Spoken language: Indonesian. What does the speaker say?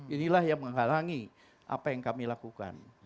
inilah yang menghalangi apa yang kami lakukan